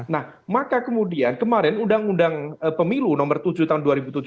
nah maka kemudian kemarin undang undang pemilu nomor tujuh tahun dua ribu tujuh belas